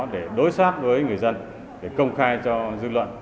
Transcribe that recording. để đối xác với người dân để công khai cho dư luận